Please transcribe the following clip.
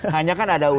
hanya kan ada unsurnya